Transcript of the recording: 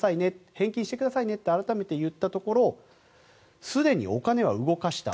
返金してくださいと改めて言ったところすでにお金は動かした。